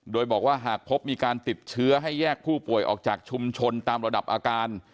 โดยบอกว่าหากพบมีการติดเชื้อให้แยกผู้ป่วยออกจากชุมชนตามระดับอาการ